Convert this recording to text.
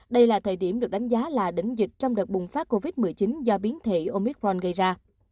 đây là thời điểm được đánh giá là đỉnh dịch trong đợt bùng phát covid một mươi chín do biến thể omicron gây ra